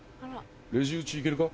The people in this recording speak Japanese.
レジ打ち行けるか？